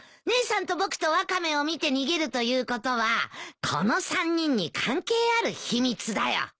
姉さんと僕とワカメを見て逃げるということはこの３人に関係ある秘密だよ。